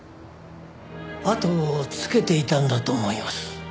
後をつけていたんだと思います。